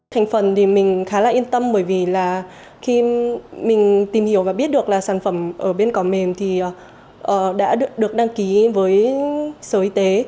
thành phần thì mình khá là yên tâm bởi vì là khi mình tìm hiểu và biết được là sản phẩm ở bên cỏ mềm thì đã được đăng ký với sở y tế